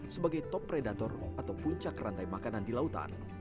sebagai top predator atau puncak rantai makanan di lautan